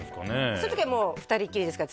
その時はもう２人っきりですか？